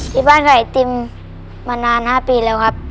ที่บ้านขายไอติมมานาน๕ปีแล้วครับ